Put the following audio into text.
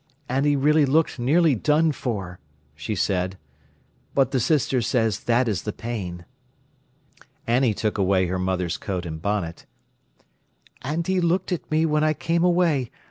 "And he really looked nearly done for," she said. "But the Sister says that is the pain." Annie took away her mother's coat and bonnet. "And he looked at me when I came away!